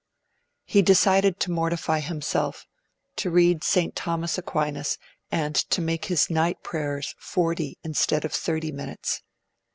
He decided to mortify himself, to read St Thomas Aquinas, and to make his 'night prayers forty instead of thirty minutes'.